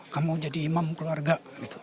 kamu jadi imam keluarga